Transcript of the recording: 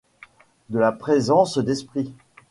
De la présence d’esprit !